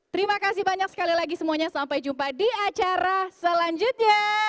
terima kasih banyak sekali lagi semuanya sampai jumpa di acara selanjutnya